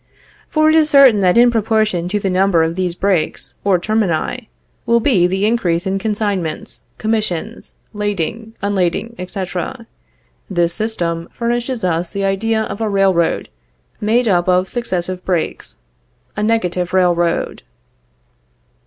For it is certain, that in proportion to the number of these breaks or termini, will be the increase in consignments, commissions, lading, unlading, etc. This system furnishes us the idea of a railroad made up of successive breaks; a negative railroad.